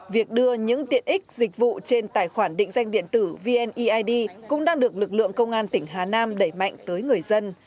việc đưa những tiện ích dịch vụ trên tài khoản định danh điện tử vneid cũng đang được lực lượng công an tỉnh hà nam đẩy mạnh tới người dân